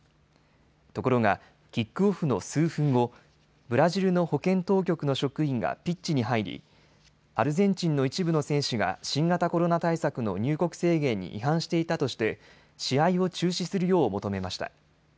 ところが、キックオフの数分後、ブラジルの保健当局の職員がピッチに入り、アルゼンチンの一部の選手が新型コロナ対策の入国制限に違反していたとして試合を中止するよう求めました。